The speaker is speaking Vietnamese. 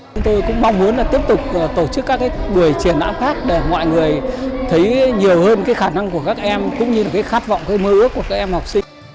chúng tôi cũng mong muốn tiếp tục tổ chức các buổi triển án khác để mọi người thấy nhiều hơn khả năng của các em cũng như khát vọng mơ ước của các em học sinh